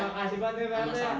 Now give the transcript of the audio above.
makasih banget ya pak